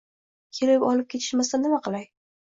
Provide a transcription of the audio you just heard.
Kelib olib ketishmasa, nima qilay